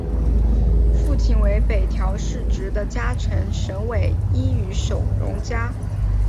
父亲为北条氏直的家臣神尾伊予守荣加。